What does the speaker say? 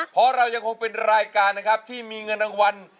เพราะเรายังคงเป็นรายการนะครับที่มีเงินรางวัล